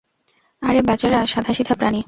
আরে বেচারা সাধাসিধা প্রাণী।